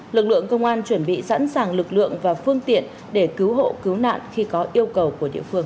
lực lượng công an chuẩn bị sẵn sàng lực lượng và phương tiện để cứu hộ cứu nạn khi có yêu cầu của địa phương